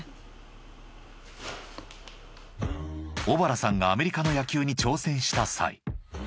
［小原さんがアメリカの野球に挑戦した際］